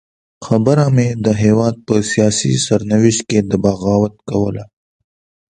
خبره مې د هېواد په سیاسي سرنوشت کې د بغاوت کوله.